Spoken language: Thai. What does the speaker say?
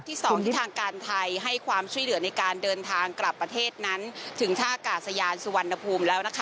สองที่ทางการไทยให้ความช่วยเหลือในการเดินทางกลับประเทศนั้นถึงท่ากาศยานสุวรรณภูมิแล้วนะคะ